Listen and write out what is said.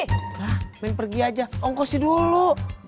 hah main pergi aja ongkosin dulu